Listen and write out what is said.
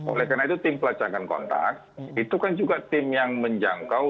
oleh karena itu tim pelacakan kontak itu kan juga tim yang menjangkau